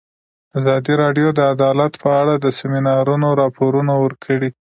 ازادي راډیو د عدالت په اړه د سیمینارونو راپورونه ورکړي.